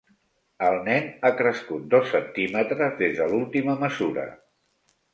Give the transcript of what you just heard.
El nen ha crescut dos centímetres des de l'última mesura.